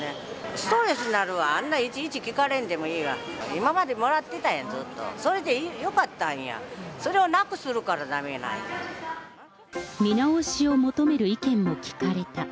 ストレスになるわ、あんなんいちいち聞かれんでもええわ、今までもらってたやん、ずっと、それでよかったんや、見直しを求める意見も聞かれた。